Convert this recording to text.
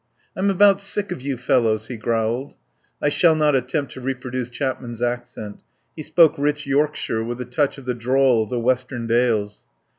"I'm about sick of you fellows," he growled. (I shall not attempt to reproduce Chapman's accent. He spoke rich Yorkshire with a touch of the drawl of the western dales.)